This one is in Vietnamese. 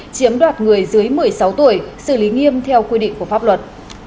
chiếm đoạt người dưới một mươi sáu tuổi xử lý nghiêm theo quy định của pháp luật